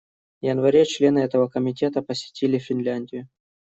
В январе члены этого Комитета посетили Финляндию.